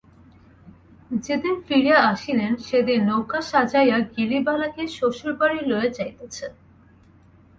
যেদিন ফিরিয়া আসিলেন, সেদিন নৌকা সাজাইয়া গিরিবালাকে শ্বশুরবাড়ি লইয়া যাইতেছে।